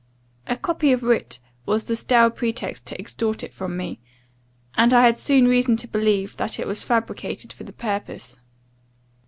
A copy of a writ was the stale pretext to extort it from me; and I had soon reason to believe that it was fabricated for the purpose.